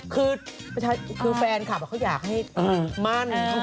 คือแฟนคลับเขาอยากให้มั่น